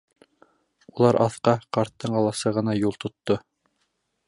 Улар аҫҡа, ҡарттың аласығына юл тотто.